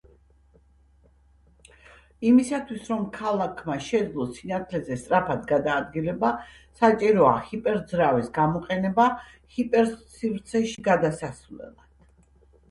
იმისათვის რომ ქალაქმა შესძლოს სინათლეზე სწრაფად გადაადგილება საჭიროა ჰიპერძრავის გამოყენება ჰიპერსივრცეში გადასასვლელად.